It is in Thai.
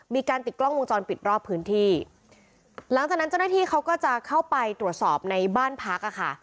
มีการติดกล้องวงจรปิดรอบพื้นที่หลังจากนั้นเจ้าหน้าที่เขาก็จะเข้าไปตรวจสอบในบ้านพักอ่ะค่ะ